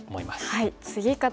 はい。